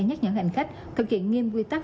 nhắc nhở hành khách thực hiện nghiêm quy tắc